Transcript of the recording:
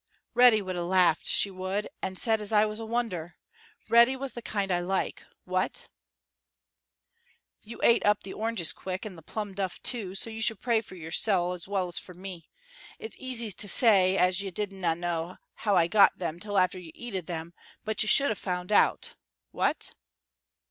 "Reddy would have laughed, she would, and said as I was a wonder. Reddy was the kind I like. What? "You ate up the oranges quick, and the plum duff too, so you should pray for yoursel' as well as for me. It's easy to say as you didna know how I got them till after you eated them, but you should have found out. What?